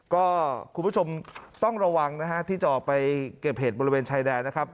ก็คุณผู้ชมต้องระวังนะฮะที่จะออกไปเก็บเห็ดบริเวณชายแดนนะครับ